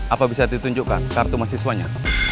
apa bisa ditunjukkan kartu mahasiswanya